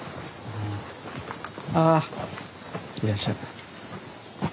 あいらっしゃる。